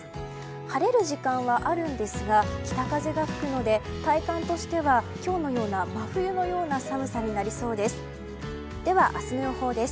晴れる時間はあるんですが北風が吹くので体感としては今日のような真冬のような寒さになりそうです。